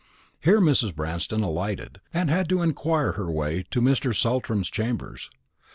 Here Mrs. Branston alighted, and had to inquire her way to Mr. Saltram's chambers.